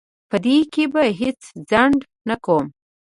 په دې کې به هیڅ ځنډ نه کوم.